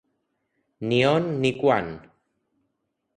Ni on ni quan.